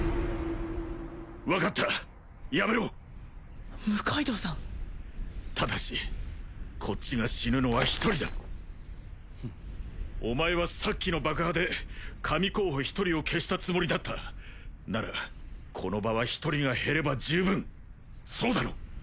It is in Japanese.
分かったやめろ六階堂さんただしこっちが死ぬのは１人だお前はさっきの爆破で神候補１人を消したつもりだったならこの場は１人が減れば十分そうだろ？